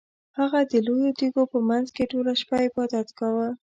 هغه د لویو تیږو په مینځ کې ټوله شپه عبادت کاوه.